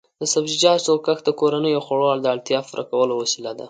د سبزیجاتو کښت د کورنیو د خوړو د اړتیا پوره کولو وسیله ده.